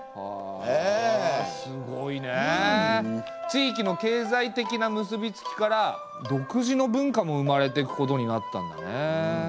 地域の経済的な結び付きから独自の文化も生まれていくことになったんだね！